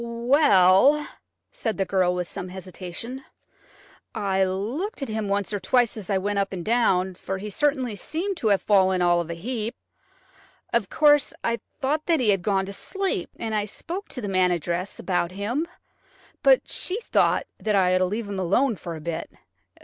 "Well," said the girl with some hesitation, "I looked at him once or twice as I went up and down, for he certainly seemed to have fallen all of a heap. Of course, I thought that he had gone to sleep, and I spoke to the manageress about him, but she thought that I ought to leave him alone for a bit.